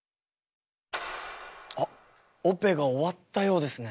あっオペが終わったようですね。